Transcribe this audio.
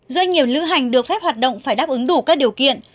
doanh nghiệp lữ hành được phép hoạt động phải đáp ứng đủ các điều kiện